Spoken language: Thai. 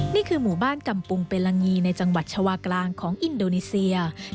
นี่คือหมู่บ้านกำปุงเปลังีในจังหวัดชาวากลางของอินโดนีเซีย